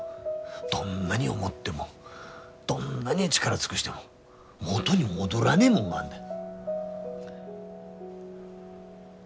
どんなに思ってもどんなに力尽くしても元に戻らねえもんがあんだよ。